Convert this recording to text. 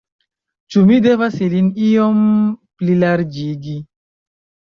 Ĉu mi devas ilin iom plilarĝigi?